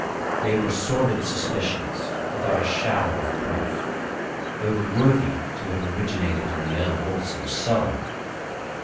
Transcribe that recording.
They were sordid suspicions, without a shadow of proof. They were worthy to have originated in the unwholesome cellar.